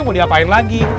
mau diapain lagi